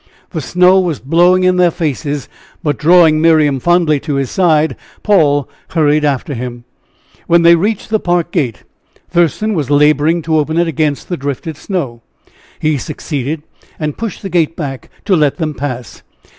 The snow was blowing in their faces, but drawing Miriam fondly to his side, Paul hurried after him. When they reached the park gate, Thurston was laboring to open it against the drifted snow. He succeeded, and pushed the gate back to let them pass.